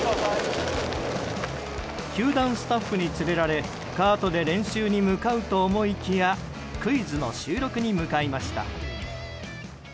球団スタッフに連れられカートで練習に向かうと思いきやクイズの収録に向かいました。